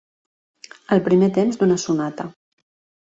El primer temps d'una sonata.